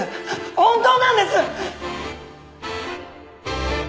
本当なんです！